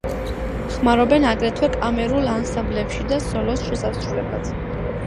ხმარობენ აგრეთვე კამერულ ანსამბლებში და სოლოს შესასრულებლად.